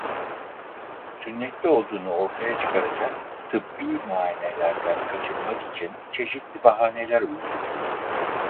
Sünnetli olduğunu ortaya çıkaracak tıbbi muayenelerden kaçınmak için çeşitli bahaneler uydurdu.